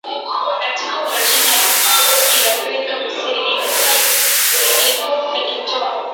Katika Oparesheni hiyo Afrika kusini ilikuwa ikitoa